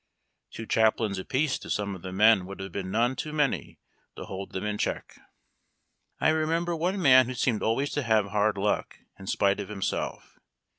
Two chaplains apiece to some of the men would have been none too many to hold them in check. I remember one man who seemed always to have hard luck in spite of himself.